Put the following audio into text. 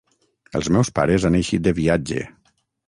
Els meus pares han eixit de viatge.